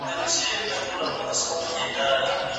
جانان لکه ريښه د اوبو هر ځای غځېدلی